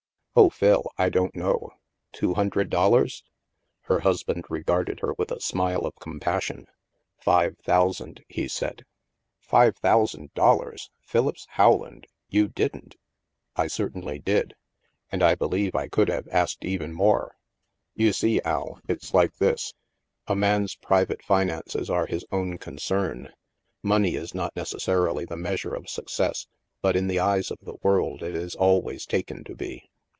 " Oh, Phil, I don't know. Two hundred dol lars?" Her husband regarded her with a smile of com passion. " Five thousand," he said. 252 THE MASK ''Five thousand dollars! Philippse Howland! You didn't!" " I certainly did. And I believe I could have asked even more. You see, Al, it's like this. A man's private finances are his own concern. Money is not necessarily the measure of success, but in the eyes of the world it is always taken to be.